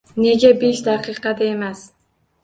- Nega besh daqiqada emas?